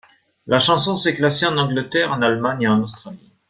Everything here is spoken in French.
La chanson s'est classée en Angleterre, en Allemagne et en Australie.